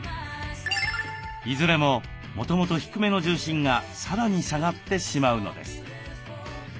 いずれももともと低めの重心がさらに下がってしまうのです。